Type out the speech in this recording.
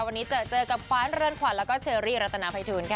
วันนี้เจอเจอกับฟ้านเรือนขวัญแล้วก็เชอรี่รัตนาภัยทูลค่ะ